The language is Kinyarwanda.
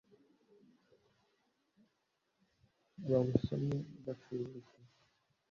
Bawusome bacururuke.